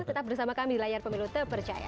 tetap bersama kami di layar pemilu terpercaya